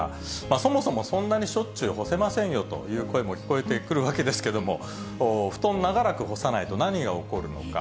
そもそもそんなにしょっちゅう干せませんよという声も聞こえてくるわけですけれども、布団、長らく干さないと何が起こるのか。